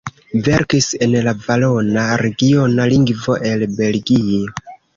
Verkis en la valona, regiona lingvo el Belgio.